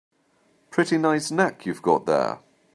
Pretty nice neck you've got there.